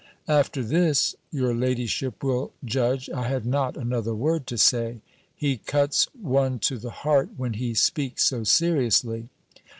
After this, your ladyship will judge I had not another word to say. He cuts one to the heart, when he speaks so seriously.